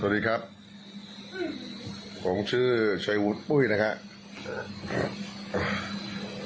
สวัสดีครับผมชื่อชัยวุฒิปุ้ยนะครับ